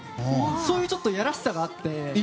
そういう、やらしさがあって。